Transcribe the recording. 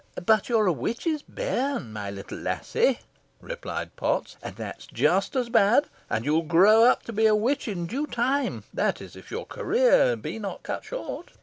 "But you're a witch's bairn, my little lassy," replied Potts, "and that's just as bad, and you'll grow up to be a witch in due time that is, if your career be not cut short.